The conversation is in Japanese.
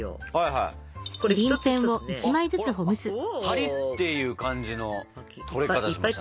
パリッていう感じの取れ方しましたね。